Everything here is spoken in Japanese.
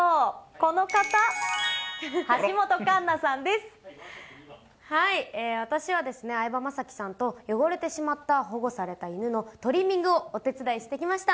この方、私はですね、相葉雅紀さんと汚れてしまった保護された犬のトリミングをお手伝いしてきました。